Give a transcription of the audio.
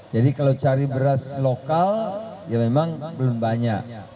jadi kalau cari beras lokal ya memang belum banyak